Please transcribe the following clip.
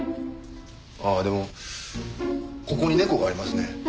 あっでもここに猫がありますね。